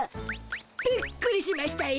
びっくりしましたよ。